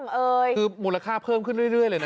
คือมูลค่าเพิ่มขึ้นเรื่อยเลยนะ